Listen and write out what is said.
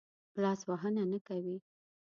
لاس وهنه نه کوي.